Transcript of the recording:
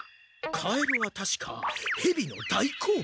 カエルはたしかヘビの大好物。